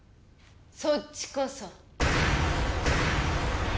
そっちこそ。